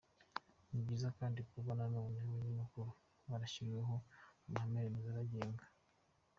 Ni byiza kandi kuba ubu nanone abanyamakuru barishyiriyeho amahame remezo abagenga.